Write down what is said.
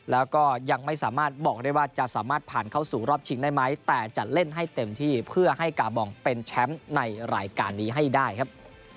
แล้วก็ยังไม่สามารถบอกได้ว่าจะสามารถผ่านเข้าสู่รอบชิงได้ไหมแต่จะเล่นให้เต็มที่เพื่อให้กาบองเป็นแชมป์ในรายการนี้ให้ได้ครับ